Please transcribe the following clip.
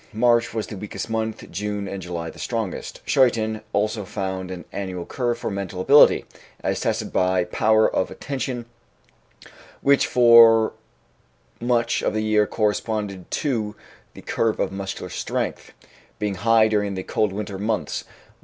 March was the weakest month, June and July the strongest. Schuyten also found an annual curve for mental ability, as tested by power of attention, which for much of the year corresponded to the curve of muscular strength, being high during the cold winter months.